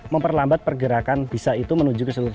memperlambat pergerakan bisa itu menuju ke seluruh